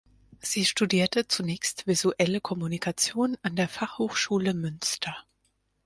Sie studierte zunächst Visuelle Kommunikation an der Fachhochschule Münster.